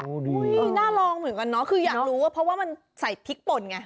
นี่น่าลองเหมือนกันเนาะคืออยากรู้ว่าเพราะว่ามันใส่พริกป่นไง